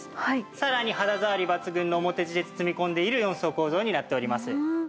さらに肌ざわり抜群の表地で包み込んでいる４層構造になっております。